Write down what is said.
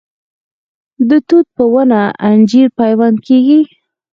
د توت په ونه انجیر پیوند کیږي؟